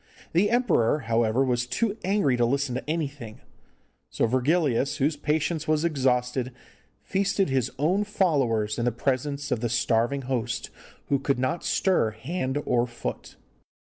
The emperor, however, was too angry to listen to anything, so Virgilius, whose patience was exhausted, feasted his own followers in the presence of the starving host, who could not stir hand or foot.